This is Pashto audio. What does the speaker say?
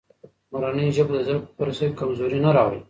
مورنۍ ژبه د زده کړو په پروسه کې کمزوري نه راولي.